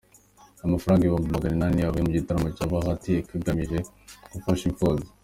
Amafaranga Ibuhumbi Maganinani niyo yavuye mu gitaramo cya Bahati ekigamije gufasha impfubyi